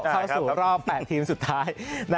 เข้าสู่รอบ๘ทีมสุดท้าย